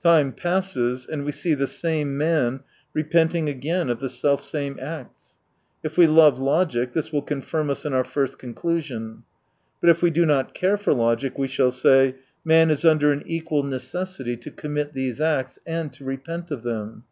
Time passes, and we see the same man repenting again of the self same acts. If we love logic, this will confirm us in our first conclusion. But if we do not care for logic, we shall say : man is under an equal necessity to commit these acts, and to repent of them.